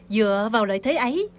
dựa vào lợi thế ấy